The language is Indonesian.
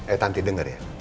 eh tanti dengar ya